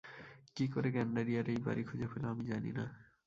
কী করে গেণ্ডারিয়ার এই বাড়ি খুঁজে পেল আমি জানি না।